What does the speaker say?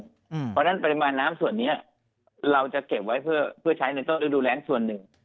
เพราะฉะนั้นปริมาณน้ำส่วนนี้เราจะเก็บไว้เพื่อใช้ต้องดูแลส่วนหนึ่ง